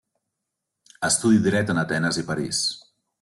Estudi dret en Atenes i París.